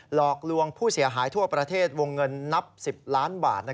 หลอกลวงผู้เสียหายทั่วประเทศวงเงินนับ๑๐ล้านบาท